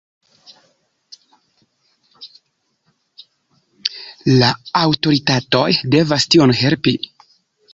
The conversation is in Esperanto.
La aŭtoritatoj devas tion helpi.